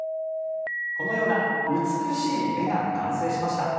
このような美しい絵が完成しました。